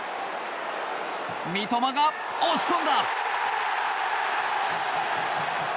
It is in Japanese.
三笘が押し込んだ。